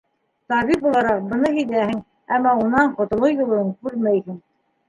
Табип булараҡ, быны һиҙәһең, әммә унан ҡотолоу юлын күрмәйһең.